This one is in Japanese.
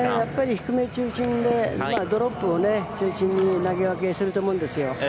低め中心でドロップを中心に投げ分けすると思うんですよ。